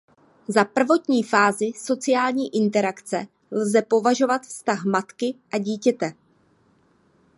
Za prvotní fázi sociální interakce lze považovat vztah matky a dítěte.